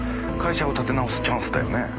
会社を立て直すチャンスだよね。